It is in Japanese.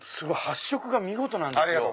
発色が見事なんですよ。